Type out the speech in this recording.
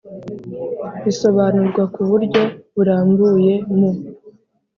Bisobanurwa ku buryo burambuye mu